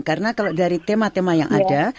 karena kalau dari tema tema yang ada